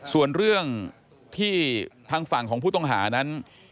ส่วนเรื่องที่ทางฝั่งของผู้ต้องหานั้น